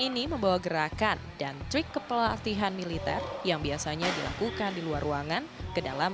ini membawa gerakan dan trik kepelatihan militer yang biasanya dilakukan di luar ruangan ke dalam